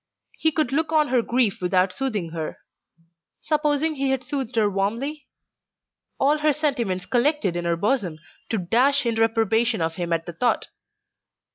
He could look on her grief without soothing her. Supposing he had soothed her warmly? All her sentiments collected in her bosom to dash in reprobation of him at the thought.